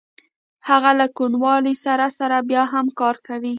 هغه له کوڼوالي سره سره بیا هم کار کوي